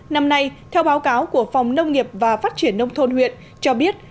năm nay theo báo cáo của phòng nông nghiệp và phát triển nông thôn huyện cho biết